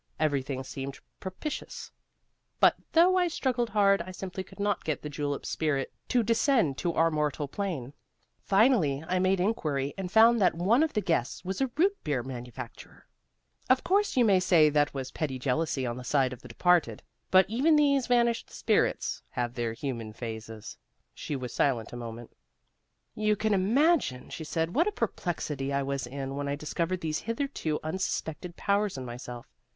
Everything seemed propitious, but though I struggled hard I simply could not get the julep spirit to descend to our mortal plane. Finally I made inquiry and found that one of the guests was a root beer manufacturer. Of course you may say that was petty jealousy on the side of the departed, but even these vanished spirits have their human phases." She was silent for a moment. "You can imagine," she said, "what a perplexity I was in when I discovered these hitherto unsuspected powers in myself.